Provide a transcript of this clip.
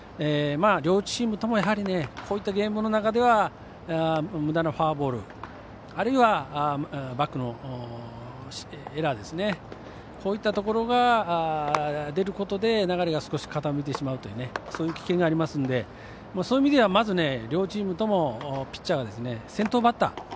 両チームとも、やはりこういったゲームの中ではむだなフォアボールあるいは、バックのエラーですねこういったところが出ることで流れが少し傾いてしまうという危険がありますのでそういう意味ではまず両チームともピッチャーが先頭バッター